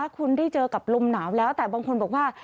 คุณได้เจอกับลมหนาวแล้วแต่บางคนบอกว่า